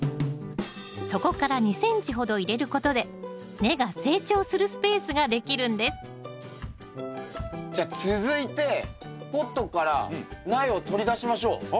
底から２ｃｍほど入れることで根が成長するスペースができるんですじゃあ続いてポットから苗を取り出しましょう。